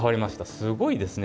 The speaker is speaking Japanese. すごいですね。